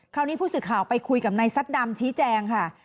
คราวนี้ผู้สื่อข่าวไปคุยกับนายซัดดำชี้แจงค่ะ